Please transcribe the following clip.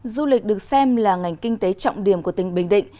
du lịch được xem là ngành kinh tế trọng điểm của tỉnh bình định